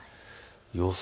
予想